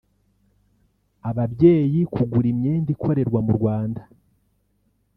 ababyeyi kugura imyenda ikorerwa mu Rwanda